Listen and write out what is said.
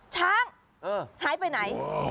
ช้างหายไปไหน